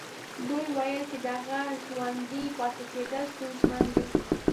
دوی ويل چې د هغه ژوندي پاتې کېدل ستونزمن دي.